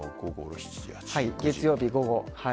月曜日午後。